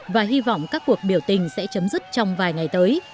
và hy vọng các cuộc biểu tình sẽ chấm dứt trong vài ngày tới